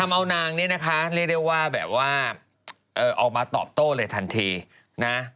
เอานางเนี่ยนะคะเรียกได้ว่าแบบว่าออกมาตอบโต้เลยทันทีนะ